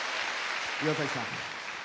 岩崎さん。